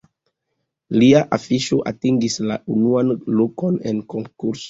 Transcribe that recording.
Lia afiŝo atingis la unuan lokon en konkurso.